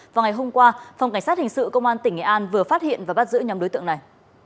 vào ngày hôm qua phòng cảnh sát hình sự công an tỉnh nghệ an vừa phát hiện và bắt giữ nhóm đối tượng này